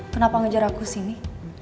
kenapa ngejar aku sini